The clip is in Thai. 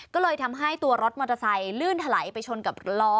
ก็เลยทำให้ตัวรถมอเตอร์ไซค์ลื่นถลายไปชนกับล้อ